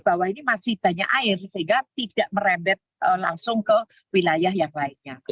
bahwa ini masih banyak air sehingga tidak merembet langsung ke wilayah yang lainnya